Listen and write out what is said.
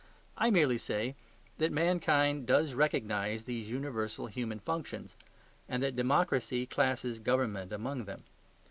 I merely say that mankind does recognize these universal human functions, and that democracy classes government among them.